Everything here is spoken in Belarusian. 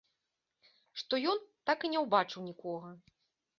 Што ён так і не ўбачыў нікога.